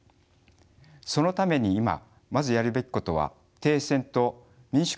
そのために今まずやるべきことは「停戦」と「民主化プロセスの再開」です。